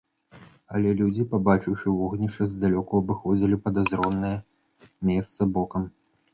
Але людзі, пабачыўшы вогнішча здалёку, абыходзілі падазронае месца бокам.